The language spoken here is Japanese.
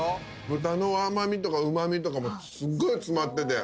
豚の甘みとかうまみとかもうすごい詰まってて。